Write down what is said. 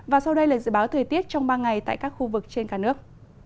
và sau đây là dự báo thời tiết trong ba ngày tại các khu vực trên cả nước